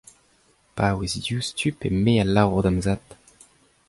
Paouez diouzhtu pe me a lâro da'm zad.